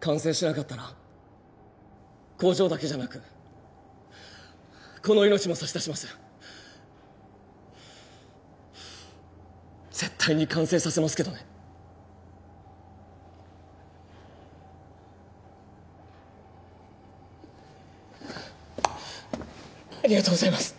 完成しなかったら工場だけじゃなくこの命も差し出します絶対に完成させますけどねありがとうございます！